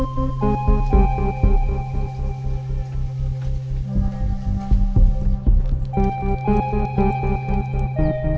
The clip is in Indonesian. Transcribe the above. si ilham gak